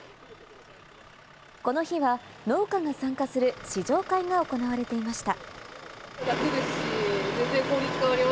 この日は農家が参加する試乗会が行われていました。